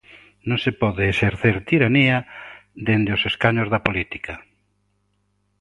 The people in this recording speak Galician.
Non se pode exercer tiranía dende os escanos da política.